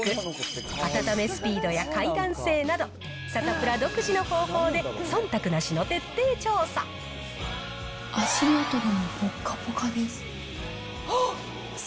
温めスピードや快暖性など、サタプラ独自の方法でそんたくなしの足元がぽっかぽかです。